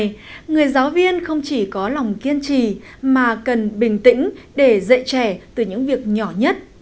vì vậy người giáo viên không chỉ có lòng kiên trì mà cần bình tĩnh để dạy trẻ từ những việc nhỏ nhất